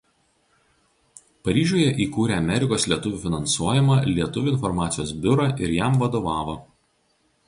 Paryžiuje įkūrė Amerikos lietuvių finansuojamą Lietuvių informacijos biurą ir jam vadovavo.